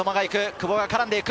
久保が絡んでいく。